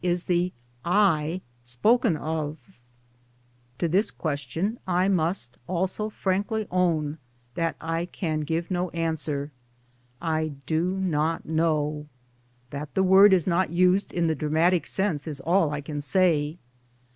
5i 6 Towards Democracy To this question I must also frankly own that I can give no answer. I do not know. That the word is not used in the dramatic sense is all I can say.